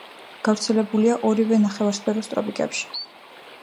გავრცელებულია ორივე ნახევარსფეროს ტროპიკებში.